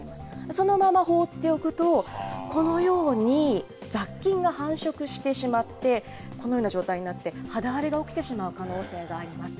そのまま放っておくと、このように、雑菌が繁殖してしまって、このような状態になって、肌荒れが起きてしまう可能性があります。